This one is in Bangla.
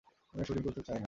আমি আর শ্যুটিং করতে চাই না।